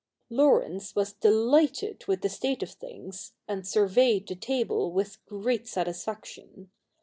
Laurence was delighted with the state of things, and surveyed the table with great satisfaction.